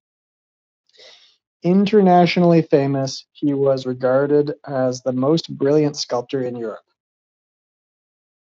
Internationally famous, he was regarded as the most brilliant sculptor in Europe.